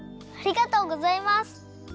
ありがとうございます！